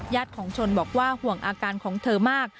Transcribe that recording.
ของชนบอกว่าห่วงอาการของเธอมาก